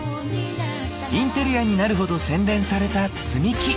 インテリアになるほど洗練された積み木。